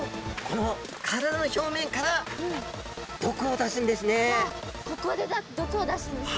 この体の表面から毒を出すんですね。